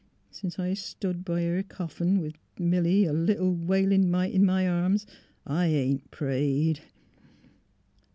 ... Since I stood b' her coffin — with — Milly, a little wailin' mite in my arms — I ain't prayed.